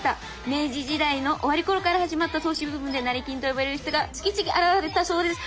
明治時代の終わり頃から始まった投資ブームで成金と呼ばれる人が次々現れたそうです。